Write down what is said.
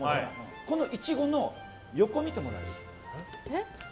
このイチゴの横見てもらえる？